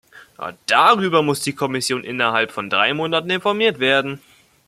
Darüber muss die Kommission innerhalb von drei Monaten informiert werden.